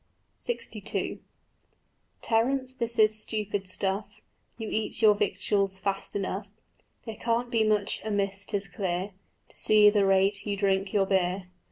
LXII "Terence, this is stupid stuff: You eat your victuals fast enough; There can't be much amiss, 'tis clear, To see the rate you drink your beer.